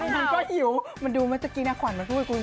มันบอกว่ามันอยากกินร้านเทนู